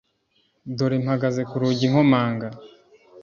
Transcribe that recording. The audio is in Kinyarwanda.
Dore mpagaze ku rugi nkomanga